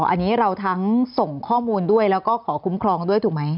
อันนี้เราทั้งส่งข้อมูลด้วยแล้วก็ขอคุ้มครองด้วยถูกไหม